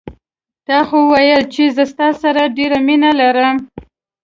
تا خو ویل چې زه ستا سره ډېره مینه لرم